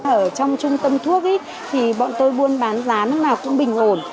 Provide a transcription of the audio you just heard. ở trong trung tâm thuốc bọn tôi buôn bán giá cũng bình ổn